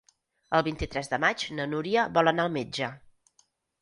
El vint-i-tres de maig na Núria vol anar al metge.